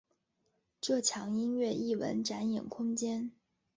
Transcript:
这墙音乐艺文展演空间。